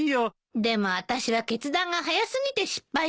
でもあたしは決断が早すぎて失敗しちゃったのよ。